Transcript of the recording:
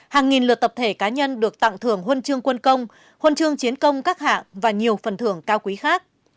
hàng nghìn lượt tập thể cá nhân được tặng thưởng huân chương quân công huân chương chiến công các hạng và nhiều phần thưởng cao quý khác